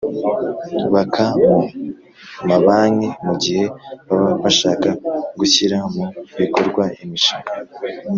Baka mu mabanki mu gihe baba bashaka gushyira mu bikorwa imishinga